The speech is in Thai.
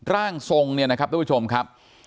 ร่างทรงเนี่ยนะครับทุกผู้ชมครับ